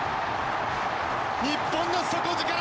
日本の底力！